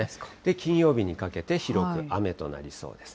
金曜日にかけて広く雨となりそうです。